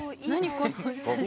この写真。